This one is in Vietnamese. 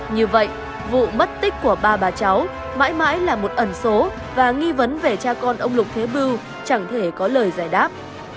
như vậy vụ mất tích của ba bà cháu mãi mãi là một ẩn số và nghi vấn về cha con ông lục thế bưu chẳng thể có lời giải đáp